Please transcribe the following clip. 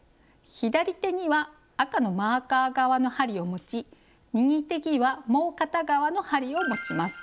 左手には赤のマーカー側の針を持ち右手にはもう片側の針を持ちます。